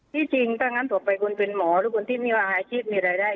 ที่จริงถ้างั้นต่อไปคุณเป็นหมอหรือคนที่ไม่ว่าอาชีพมีรายได้